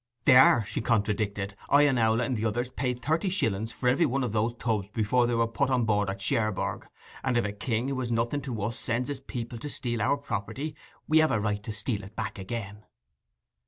'They are,' she contradicted. 'I and Owlett and the others paid thirty shillings for every one of the tubs before they were put on board at Cherbourg, and if a king who is nothing to us sends his people to steal our property, we have a right to steal it back again.